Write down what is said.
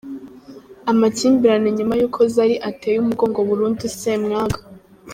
Amakimbirane nyuma y’uko Zari ateye umugongo burundu Ssemwanga.